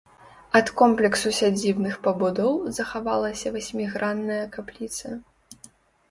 Ад комплексу сядзібных пабудоў захавалася васьмігранная капліца.